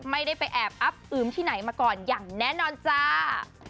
ไม่ได้ไปแอบอับอึมที่ไหนมาก่อนอย่างแน่นอนจ้า